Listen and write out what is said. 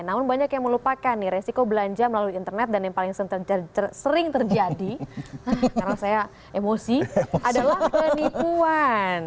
namun banyak yang melupakan nih resiko belanja melalui internet dan yang paling sering terjadi karena saya emosi adalah penipuan